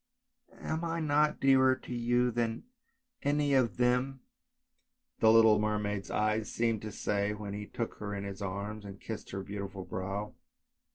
" Am I not dearer to you than any of them? " the little mermaid's eyes seemed to say when he took her in his arms and kissed her beautiful brow.